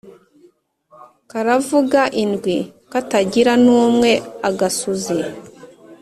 karavuga indwi katagira n'umwe-agasuzi.